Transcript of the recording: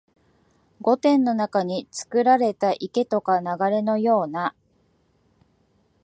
御殿の中につくられた池とか流れのような、